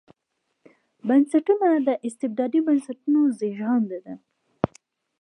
بنسټونه د استبدادي بنسټونو زېږنده ده.